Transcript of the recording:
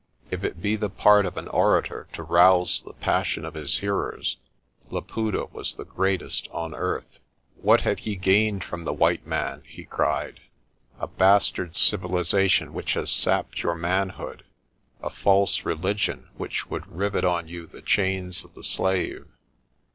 If it be the part of an orator to rouse the passion of his hearers, Laputa was the greatest on earth. "What have ye gained from the white man? " he cried. "A bastard civilisation which has sapped your man hood; a false religion which would rivet on you the chains of the slave.